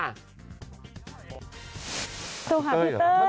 ดูค่ะพี่เต้ย